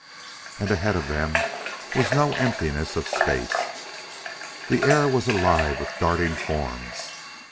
And ahead of them was no emptiness of space. The air was alive with darting forms.